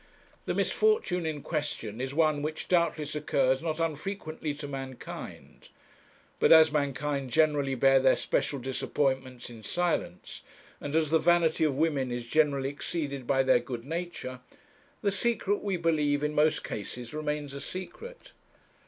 The misfortune in question is one which doubtless occurs not unfrequently to mankind; but as mankind generally bear their special disappointments in silence, and as the vanity of women is generally exceeded by their good nature, the secret, we believe, in most cases remains a secret.